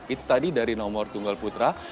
itu tadi dari nomor tunggal putra